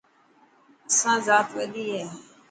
اسان زات وڏي هي.